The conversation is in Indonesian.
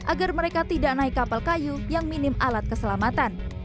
agar mereka tidak naik kapal kayu yang minim alat keselamatan